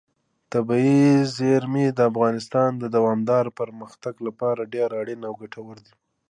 طبیعي زیرمې د افغانستان د دوامداره پرمختګ لپاره ډېر اړین او ګټور دي.